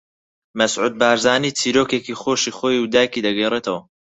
مەسعود بارزانی چیرۆکێکی خۆشی خۆی و دایکی دەگێڕیتەوە